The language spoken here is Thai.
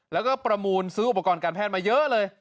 แล้วก็ประมูลซื้ออุปกรณ์การแพทย์มาเยอะเลย